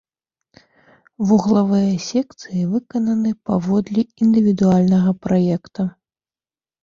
Вуглавыя секцыі выкананы паводле індывідуальнага праекта.